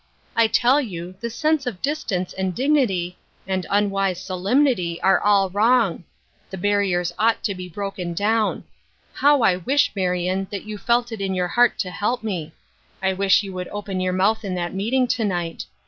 "I tell you, this sense o^ distance and dignity, and unwise solemnity, * re all wrong, riie barriers ought to be broken down. How I wish, Marion, that you felt it in your heart to help me. I wish you would open your mouth in that meeting to night.